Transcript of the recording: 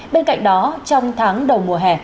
bên cạnh đó trong tháng đầu mùa hè